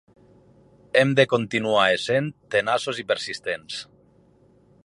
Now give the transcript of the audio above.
Hem de continuar essent tenaços i persistents.